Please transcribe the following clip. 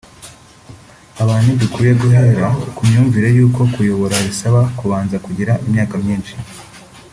Abantu ntidukwiye guhera ku myumvire y’uko kuyobora bisaba kubanza kugira imyaka myinshi